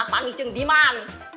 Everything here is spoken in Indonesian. panggil jeong diman